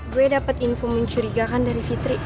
gue dapat info mencurigakan dari fitri